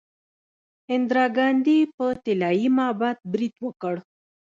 اندرا ګاندي په طلایی معبد برید وکړ.